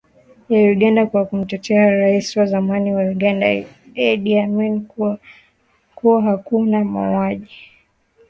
ya Uganda kwa kumtetea rais wa zamani wa Uganda Idi Amin kuwa hakuwa muuaji